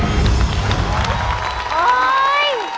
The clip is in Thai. เฮ้ย